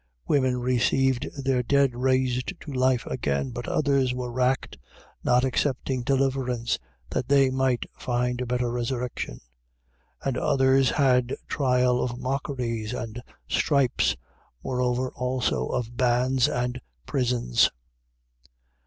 11:35. Women received their dead raised to life again. But others were racked, not accepting deliverance, that they might find a better resurrection. 11:36. And others had trial of mockeries and stripes: moreover also of bands and prisons.